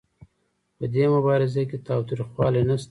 په دې مبارزه کې تاوتریخوالی نشته.